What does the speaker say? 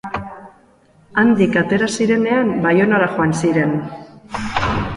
Handik atera zirenean Baionara joan ziren.